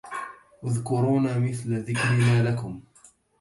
اذكرونا مثل ذكرانا لكم